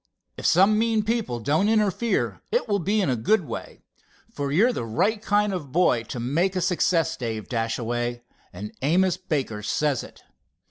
If some mean people don't interfere, it will be in a good way, for you're the right kind of a boy to make a success, Dave Dashaway, and Amos Baker says it."